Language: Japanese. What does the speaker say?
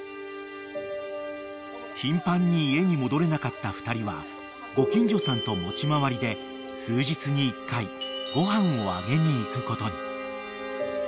［頻繁に家に戻れなかった２人はご近所さんと持ち回りで数日に１回ご飯をあげに行くことに］